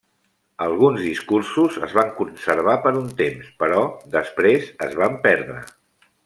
Alguns discursos es van conservar per un temps, però després es van perdre.